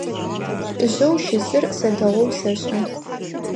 Лӏыжъэу щысыр сэ дэгъоу сэшӏэ.